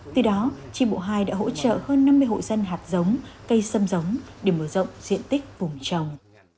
từ đó tri bộ hai đã hỗ trợ hơn năm mươi hộ dân hạt giống cây xâm giống để mở rộng diện tích vùng trồng